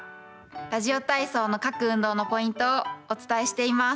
ラジオ体操の各運動のポイントをお伝えしています。